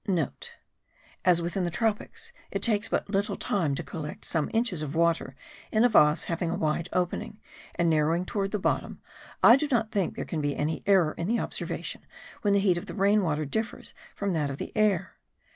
*(* As, within the tropics, it takes but little time to collect some inches of water in a vase having a wide opening, and narrowing towards the bottom, I do not think there can be any error in the observation, when the heat of the rain water differs from that of the air.